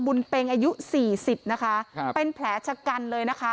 เป็งอายุสี่สิบนะคะครับเป็นแผลชะกันเลยนะคะ